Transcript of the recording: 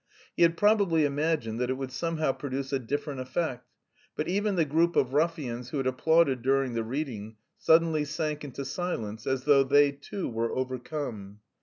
He had probably imagined that it would somehow produce a different effect; but even the group of ruffians who had applauded during the reading suddenly sank into silence, as though they, too, were overcome.